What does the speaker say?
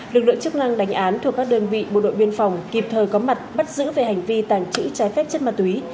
lực lượng chức năng đánh án thuộc các đơn vị bộ đội biên phòng kịp thời có mặt bắt giữ về hành vi tàng trữ trái phép chất ma túy